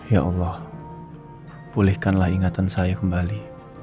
ya allah pulihkanlah ingatan saya kembali